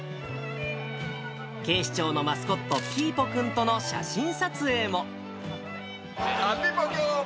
警視庁のマスコット、ピーポくんとの写真撮影も。